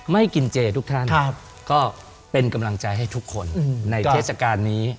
ไม่กินเจทุกท่านก็เป็นกำลังใจให้ทุกคนในเทศกาลนี้